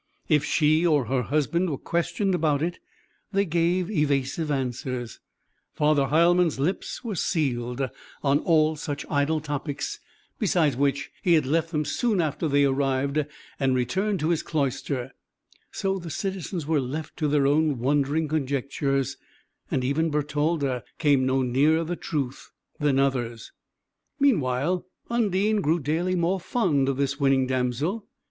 If she or her husband were questioned about it, they gave evasive answers; Father Heilmann's lips were sealed on all such idle topics, beside which, he had left them soon after they arrived, and returned to his cloister: so the citizens were left to their own wondering conjectures, and even Bertalda came no nearer the truth than others. Meanwhile, Undine grew daily more fond of this winning damsel.